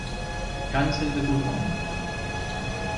Cáncer de pulmón